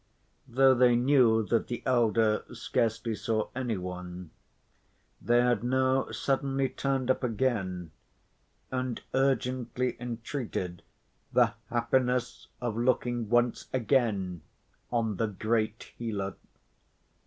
Though they knew that the elder scarcely saw any one, they had now suddenly turned up again, and urgently entreated "the happiness of looking once again on the great healer."